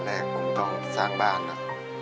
แรกผมต้องสร้างบ้านนะ